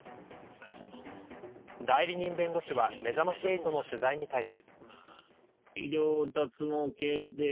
代理人弁護士はめざまし８の取材に対し。